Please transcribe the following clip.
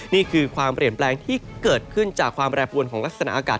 นี่คือความเปลี่ยนแปลงที่เกิดขึ้นจากความแปรปวนของลักษณะอากาศ